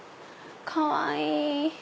かわいい！